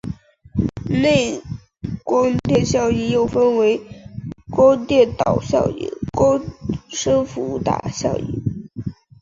内光电效应又可分为光电导效应和光生伏打效应。